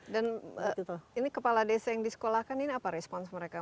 dan ini kepala desa yang disekolahkan ini apa respons mereka